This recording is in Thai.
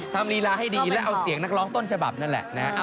ลีลาให้ดีแล้วเอาเสียงนักร้องต้นฉบับนั่นแหละนะ